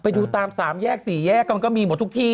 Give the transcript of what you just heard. ไปดูตาม๓แยก๔แยกมันก็มีหมดทุกที่